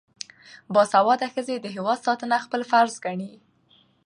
باسواده ښځې د هیواد ساتنه خپل فرض ګڼي.